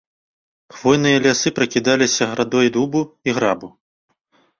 Хвойныя лясы пракідаліся градой дубу і грабу.